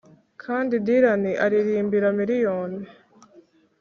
kandi dylan aririmbira miriyoni